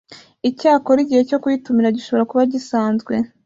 icyakora igihe cyo kuyitumira gishobora kuba gisanzwe